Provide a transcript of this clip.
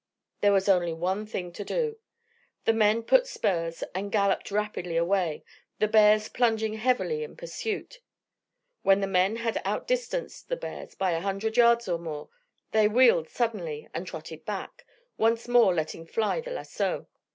There was only one thing to do. The men put spurs and galloped rapidly away, the bears plunging heavily in pursuit. When the men had outdistanced the bears by a hundred yards or more, they wheeled suddenly and trotted back, once more letting fly the lasso.